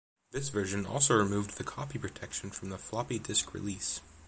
This version also removed the copy protection from the floppy disk release.